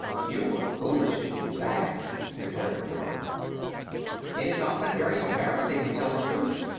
"You were foolish to do that," declared the woman. "It is often very embarrassing to tell the truth.